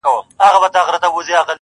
ه ژوند به دي خراب سي داسي مه كــوه تـه.